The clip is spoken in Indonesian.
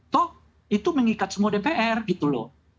toh itu mengikat semua dpr gitu loh